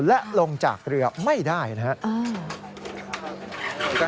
และลงจากเรือไม่ได้นะครับ